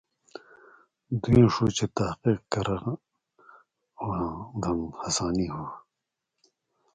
دُوئیں ݜُو چے تحقیق کَرہۡ واں دَن ہسانی ہو